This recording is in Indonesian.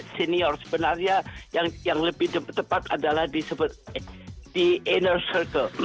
senior sebenarnya yang lebih tepat adalah disebut the inner circle